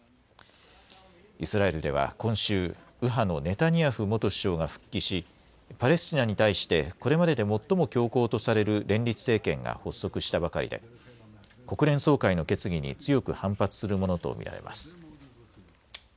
イスラエルでは今週、右派のネタニヤフ元首相が復帰し、パレスチナに対してこれまでで最も強硬とされる連立政権が発足したばかりで国連総会の決議に強く反発するものと見られます。